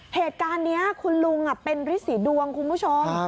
เหตุการณ์นี้คุณลุงเป็นฤษีดวงคุณผู้ชม